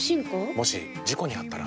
もし事故にあったら？